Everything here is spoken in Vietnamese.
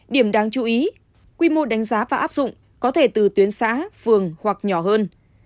điểm đáng chú ý quy mô đánh giá và áp dụng có thể từ tuyến xã phường hoặc nhỏ hơn